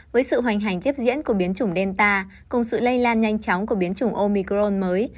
với sự hoành hành tiếp diễn của biến chủng delta cùng sự lây lan nhanh chóng của biến chủng omicron mới